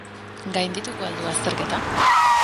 Gaindituko al du azterketa?